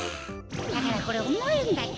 だからこれおもいんだって。